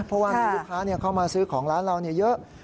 เพราะว่ามีลูกค้าเข้ามาซื้อของร้านเราเยอะ